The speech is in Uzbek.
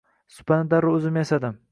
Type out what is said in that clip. Supani darrov o‘zim yasadim.